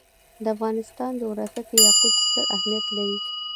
د افغانستان جغرافیه کې یاقوت ستر اهمیت لري.